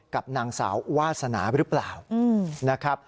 กับนางสาววาสนาหรือเปล่านะครับ